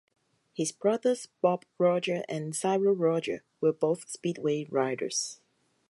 His brothers Bob Roger and Cyril Roger were both speedway riders.